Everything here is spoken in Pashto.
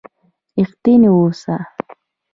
رښتينی اوسه